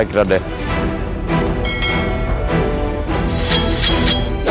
kita akan hidup dengan